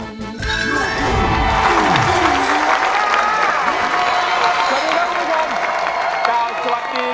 สวัสดีครับคุณผู้ชม